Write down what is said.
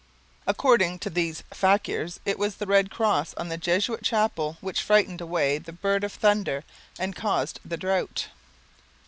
According to these fakirs, it was the red cross on the Jesuit chapel which frightened away the bird of thunder and caused the drought.